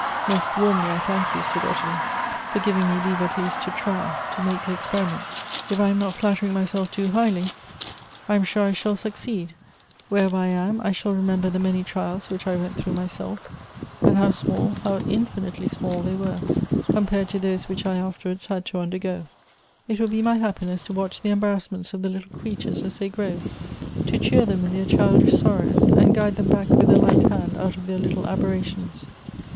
"Most warmly I thank you," said Ottilie, "for giving me leave'at leaSt to try, to make the experiment. If I am not flattering myself too highly, I am sure I shall Elective Affinities. 293 sacceed : wherever I am, I shall remember the many trials which I went through myself, and how small, how infinitely small they were compared to those which I afterwards had to undergo. It wilkbe my happiness to watch the embarrassments of the little creatures as they grow ; to cheer them in their childish sorrows, and guide them back with a light h.and out of their little aberrations.